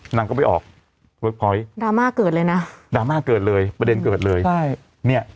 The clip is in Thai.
นางก็ไปออกเวิร์คพอยต์ดราม่าเกิดเลยนะดราม่าเกิดเลยประเด็นเกิดเลยใช่เนี่ย